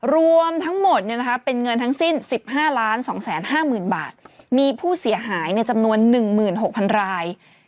รวมทั้งหมดเป็นเงินทั้งสิ้น๑๕๒๕๐๐๐บาทมีผู้เสียหายในจำนวน๑๖๐๐๐ราย